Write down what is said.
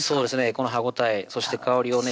この歯応えそして香りをね